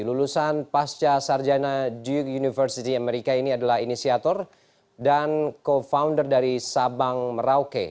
lulusan pasca sarjana duke university amerika ini adalah inisiator dan co founder dari sabang merauke